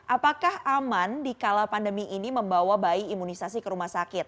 apakah aman di kala pandemi ini membawa bayi imunisasi ke rumah sakit